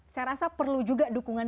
saya rasa perlu juga dukungan